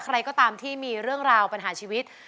ใครก็ตามที่มีเรื่องราวปัญหาชีวิต